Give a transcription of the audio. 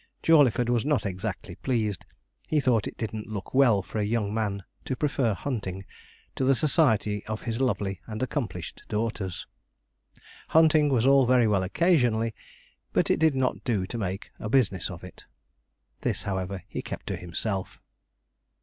Jawleyford was not exactly pleased; he thought it didn't look well for a young man to prefer hunting to the society of his lovely and accomplished daughters. Hunting was all very well occasionally, but it did not do to make a business of it. This, however, he kept to himself.